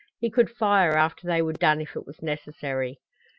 He could fire after they were done if it was necessary.